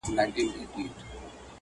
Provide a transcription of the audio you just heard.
موټرسایکل باندې ورپسې شاته کېناستم